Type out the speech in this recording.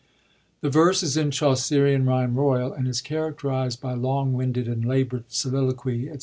The verse is in Chaucerian ryme royal, and is characterised by long winded and labord soliloquy, &c.